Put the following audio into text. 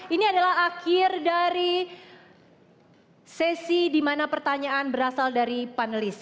ini adalah akhir dari sesi di mana pertanyaan berasal dari panelis